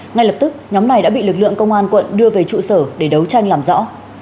ngay lập tức nhóm này đã bị lực lượng công an quận đưa về trụ sở để đấu tranh làm rõ